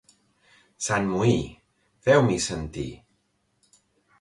Sant Moí, feu-m'hi sentir.